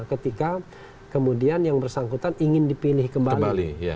ketika kemudian yang bersangkutan ingin dipilih kembali